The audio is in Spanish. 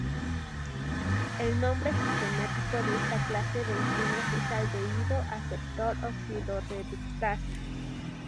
El nombre sistemático de esta clase de enzimas es aldehído:aceptor oxidorreductasa.